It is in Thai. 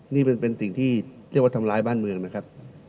นี่เป็นสิ่งที่เรียกว่าทำร้ายบ้านเมืองนะครับ